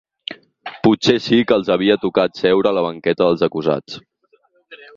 Potser sí que els havia tocat seure a la banqueta dels acusats.